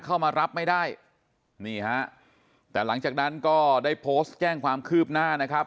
เข้ามารับไม่ได้นี่ฮะแต่หลังจากนั้นก็ได้โพสต์แจ้งความคืบหน้านะครับ